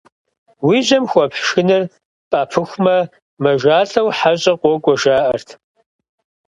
Уи жьэм хуэпхь шхыныр пӀэпыхумэ, мажалӀэу хьэщӀэ къокӀуэ жаӀэрт.